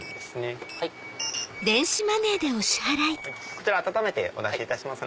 こちら温めてお出しいたします。